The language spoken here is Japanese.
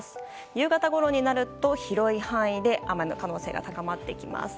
夕方ごろになると広い範囲で雨の可能性が高まってきます。